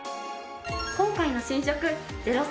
今回の新色０３